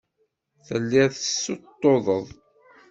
Telliḍ tessuṭṭuḍeḍ.